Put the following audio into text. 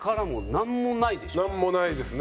なんもないですね。